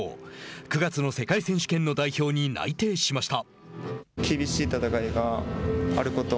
９月の世界選手権の代表に内定しました。